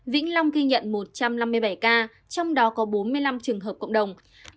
vĩnh long ghi nhận một trăm năm mươi bảy ca trong đó có bốn mươi năm trường hợp cộng đồng